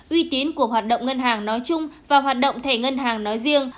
uy tín của hoạt động ngân hàng nói chung và hoạt động thẻ ngân hàng nói riêng